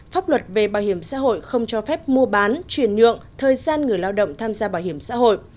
pháp luật về bảo hiểm xã hội không cho phép mua bán chuyển nhượng thời gian người lao động tham gia bảo hiểm xã hội